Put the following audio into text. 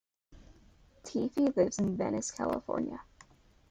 Teefy lives in Venice, California.